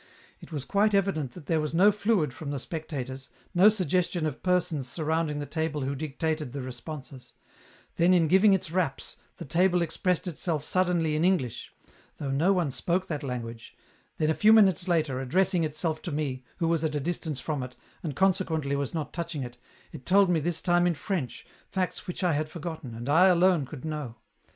It was quite evident that there was no fluid from the spectators, no suggestion of persons surrounding the table who dictated the responses ; then in giving its raps, the table expressed itself suddenly in English, though no one spoke that language, then a few minutes later, addressing itself to me, who was at a distance from it, and consequently was not touching it, it told me this time in French, facts which I had forgotten, and I alone could know.